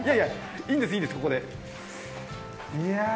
いいんです、いいんです、ここで。